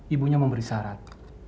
ibunya memberi syarat